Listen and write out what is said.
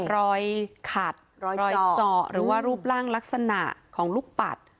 รอยขัดรอยเจาะหรือว่ารูปร่างลักษณะของลูกปัด